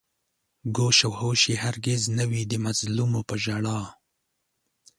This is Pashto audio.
گوش و هوش يې هر گِز نه وي د مظلومو په ژړا